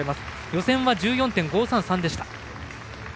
予選は１４．５３３でした。